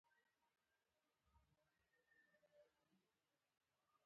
وینز نن یوازې له دې اړخه شتمن دی.